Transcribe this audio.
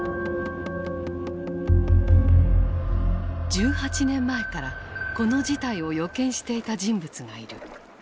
１８年前からこの事態を予見していた人物がいる。